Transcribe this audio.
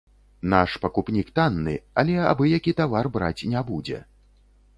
Наш пакупнік танны, але абы-які тавар браць не будзе.